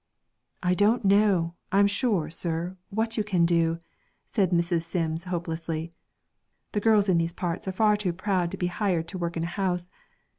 'I don't know, I'm sure, sir, what you can do,' said Mrs. Sims hopelessly. 'The girls in these parts are far too proud to be hired to work in a house.